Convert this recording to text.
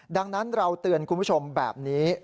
ดังนั้นเราเตือนคุณผู้ชมแบบนี้